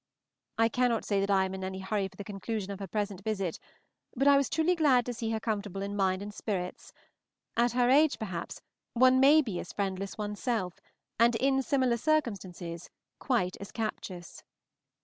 I cannot say that I am in any hurry for the conclusion of her present visit, but I was truly glad to see her comfortable in mind and spirits; at her age, perhaps, one may be as friendless oneself, and in similar circumstances quite as captious.